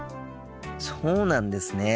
そうなんですね。